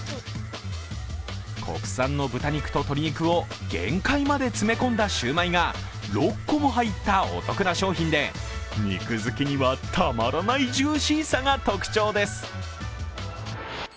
国産の豚肉と鶏肉を限界まで詰め込んだ焼売が６個も入ったお得な商品で、肉好きにはたまらないジューシーさが特徴です。